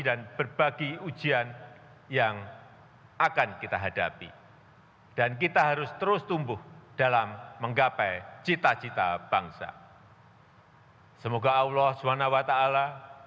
dan berikan dukungan di sisi komentar